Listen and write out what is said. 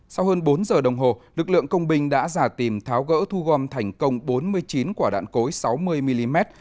sau hơn bốn giờ đồng hồ lực lượng công binh đã ra tìm tháo gỡ thu gom thành công bốn mươi chín quả đạn cối sáu mươi mm